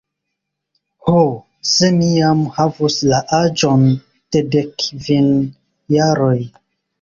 Ho, se mi jam havus la aĝon de dekkvin jaroj!